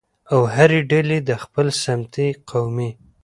او هرې ډلې د خپل سمتي، قومي